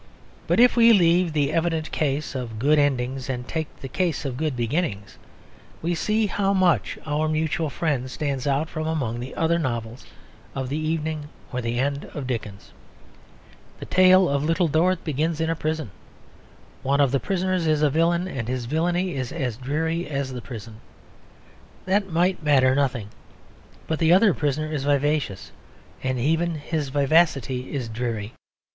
But if we leave the evident case of good endings and take the case of good beginnings, we see how much Our Mutual Friend stands out from among the other novels of the evening or the end of Dickens. The tale of Little Dorrit begins in a prison. One of the prisoners is a villain, and his villainy is as dreary as the prison; that might matter nothing. But the other prisoner is vivacious, and even his vivacity is dreary.